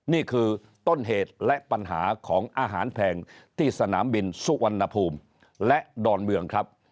นี่คือต้นเหตุและปัญหาของอาหารแพงที่สนามบินสุวรรณภูมิและดอนเมืองครับ